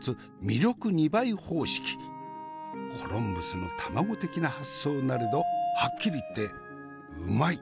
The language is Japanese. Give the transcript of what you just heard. コロンブスの卵的な発想なれどはっきり言ってうまい！